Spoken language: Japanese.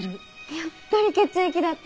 やっぱり血液だって！